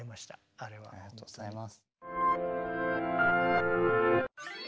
ありがとうございます。